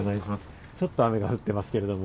ちょっと雨が降ってますけれども。